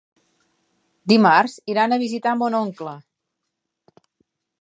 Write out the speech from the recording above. Dimarts iran a visitar mon oncle.